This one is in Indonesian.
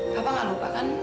papa gak lupakan